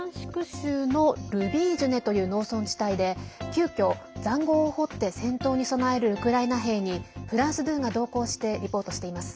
州のルビージュネという農村地帯で急きょ、ざんごうを掘って戦闘に備えるウクライナ兵にフランス２が同行してリポートしています。